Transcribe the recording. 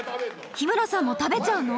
日村さんも食べちゃうの？